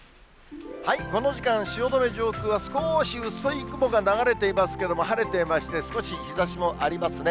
この時間、汐留上空は少し薄い雲が流れていますけれども、晴れていまして、少し日ざしもありますね。